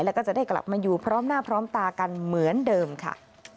แล้วก็จะได้กลับมาอยู่พร้อมหน้าพร้อมตากันเหมือนเดิมค่ะ